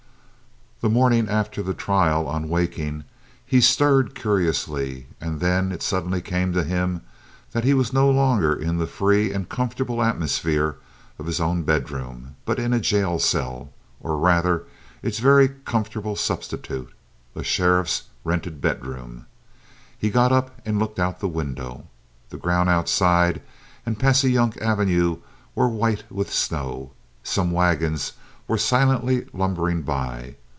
The morning after the trial, on waking, he stirred curiously, and then it suddenly came to him that he was no longer in the free and comfortable atmosphere of his own bedroom, but in a jail cell, or rather its very comfortable substitute, a sheriff's rented bedroom. He got up and looked out the window. The ground outside and Passayunk Avenue were white with snow. Some wagons were silently lumbering by.